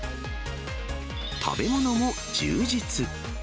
食べ物も充実。